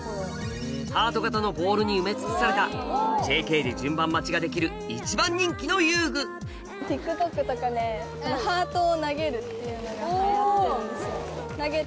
ハート形のボールに埋め尽くされたＪＫで順番待ちができる一番人気の遊具っていうのが流行ってるんですよ。